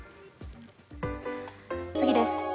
次です。